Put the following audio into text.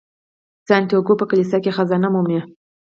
سانتیاګو په کلیسا کې خزانه مومي.